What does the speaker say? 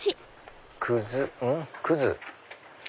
「くず」？